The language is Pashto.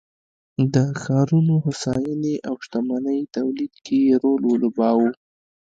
د ښارونو هوساینې او شتمنۍ تولید کې یې رول ولوباوه